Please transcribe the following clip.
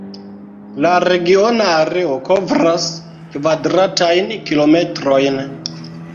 La regiona areo kovras kvadratajn kilometrojn.